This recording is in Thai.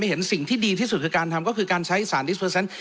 เห็นสิ่งที่ดีที่สุดคือการทำก็คือการใช้สารดิสเตอร์เซนต์